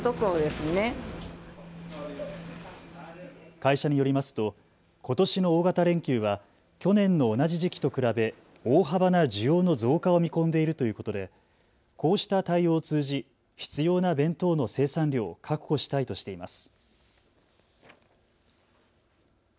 会社によりますとことしの大型連休は去年の同じ時期と比べ大幅な需要の増加を見込んでいるということでこうした対応を通じ必要な弁当の生産量を確保したいとしています。